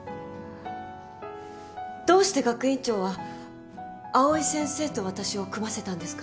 どうして学院長は藍井先生と私を組ませたんですか？